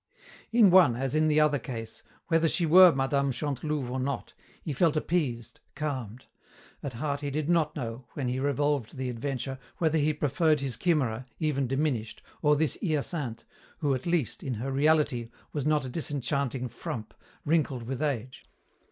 In one as in the other case, whether she were Mme. Chantelouve or not, he felt appeased, calmed. At heart he did not know, when he revolved the adventure, whether he preferred his chimera, even diminished, or this Hyacinthe, who at least, in her reality, was not a disenchanting frump, wrinkled with age.